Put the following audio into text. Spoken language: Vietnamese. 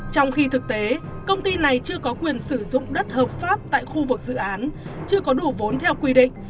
trong khi thực tế công ty này chưa có quyền sử dụng đất hợp pháp tại khu vực dự án chưa có đủ vốn theo quy định